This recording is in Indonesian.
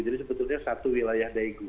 jadi sebetulnya satu wilayah daegu